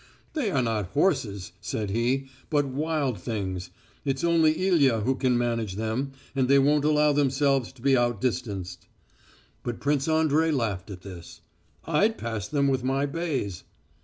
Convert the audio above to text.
"They are not horses," said he, "but wild things. It's only Ilya who can manage them, and they won't allow themselves to be out distanced." But Prince Andrey laughed at this. "I'd pass them with my bays."